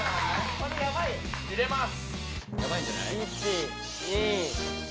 入れます。